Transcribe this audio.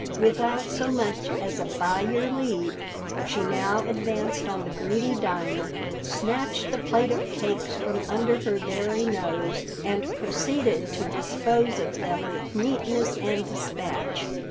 Without so much as a "by your leave," she now advanced on the greedy Dinah, snatched the plate of cakes from under her very nose, and proceeded to dispose of them with neatness and despatch.